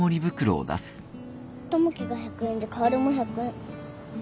友樹が１００円で薫も１００円。